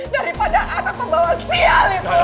daripada anak membawa sial itu